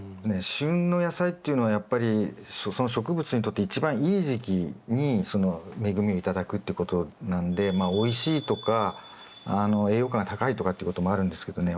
旬の野菜っていうのはやっぱりその植物にとって一番いい時期にその恵みを頂くってことなんでまあおいしいとか栄養価が高いとかっていうこともあるんですけどね